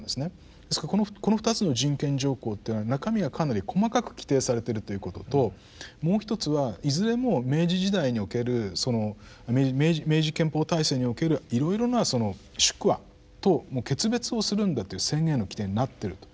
ですからこの２つの人権条項というのは中身がかなり細かく規定されてるということともうひとつはいずれも明治時代におけるその明治憲法体制におけるいろいろなその宿痾と決別をするんだという宣言の規定になってるということです。